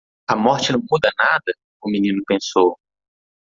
A morte não muda nada? o menino pensou.